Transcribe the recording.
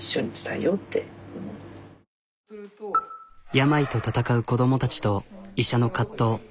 病と闘う子供たちと医者の葛藤。